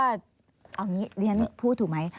เอาอย่างนี้ดิฉันพูดถูกไหม